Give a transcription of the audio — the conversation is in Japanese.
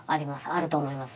あると思います。